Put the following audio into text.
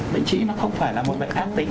bệnh chỉ nó không phải là một bệnh ác tính